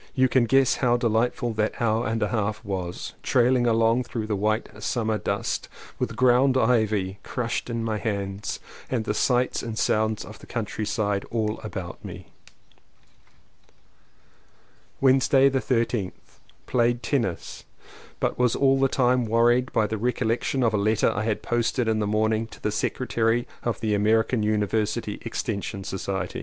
You can guess how delightful that hour and a half was; trailing along through the white summer dust, with ground ivy crushed in my hands and the sights and sounds of the countryside all about me. Wednesday the 13th. Played tennis, but was all the time wor ried by the recollection of a letter I had post ed in the morning to the secretary of the American University Extension Society.